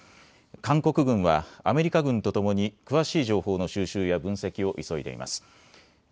韓国軍はアメリカ軍とともに詳しい情報の収集や分析を急いでいます。